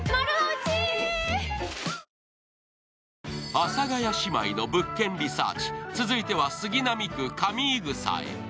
阿佐ヶ谷姉妹の「物件リサーチ」続いては杉並区上井草へ。